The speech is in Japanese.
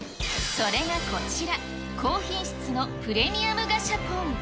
それがこちら、高品質のプレミアムガシャポン。